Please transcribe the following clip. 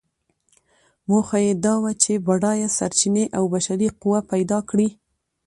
موخه یې دا وه چې بډایه سرچینې او بشري قوه پیدا کړي.